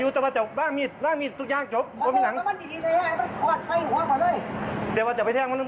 ตำรวจ